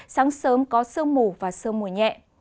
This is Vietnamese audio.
sáng sớm có sơ mù và sơ mù nhẹ